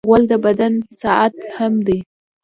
غول د بدن ساعت هم دی.